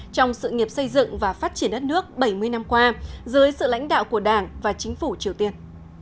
trong sự nghiệp xây dựng và phát triển đất nước bảy mươi năm qua dưới sự lãnh đạo của đảng và chính phủ triều tiên